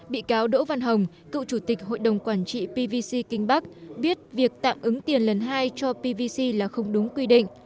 bị cáo đỗ văn hồng cựu chủ tịch hội đồng quản trị pvc kinh bắc biết việc tạm ứng tiền lần hai cho pvc là không đúng quy định